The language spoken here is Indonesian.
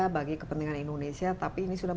bagi kepentingan indonesia tapi ini sudah